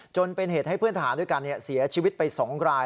จนเป็นเหตุให้เพื่อนทหารด้วยกันเสียชีวิตไป๒ราย